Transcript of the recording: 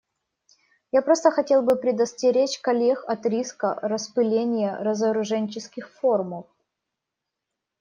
Я просто хотел бы предостеречь коллег от риска распыления разоружененческих форумов.